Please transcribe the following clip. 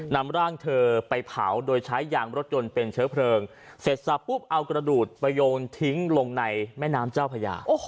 นำร่างเธอไปเผาโดยใช้ยางรถยนต์เป็นเชื้อเพลิงเสร็จสับปุ๊บเอากระดูกไปโยนทิ้งลงในแม่น้ำเจ้าพญา